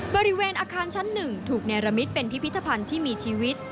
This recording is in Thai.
บริเวณอาคารชั้น๑ถูกเนรมิตเป็นพิพิธภัณฑ์ที่มีชีวิต